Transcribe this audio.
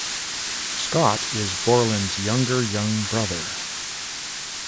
Scott is Borland's younger young brother.